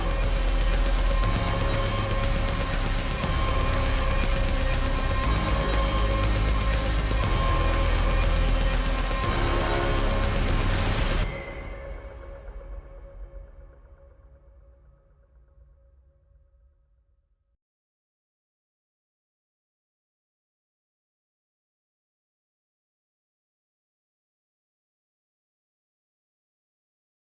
โปรดติดตามตอนต่อไป